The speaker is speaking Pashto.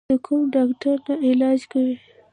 د کوم ډاکټر نه علاج کوې؟